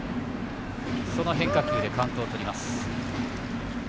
その変化球でカウントをとります。